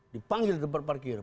dipanggil tempat parkir